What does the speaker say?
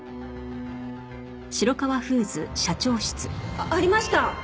あっありました！